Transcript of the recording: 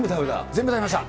全部食べました。